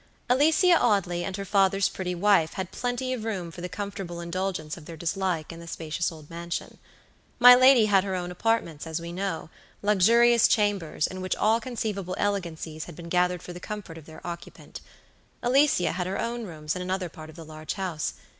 Alicia Audley and her father's pretty wife had plenty of room for the comfortable indulgence of their dislike in the spacious old mansion. My lady had her own apartments, as we knowluxurious chambers, in which all conceivable elegancies had been gathered for the comfort of their occupant. Alicia had her own rooms in another part of the large house.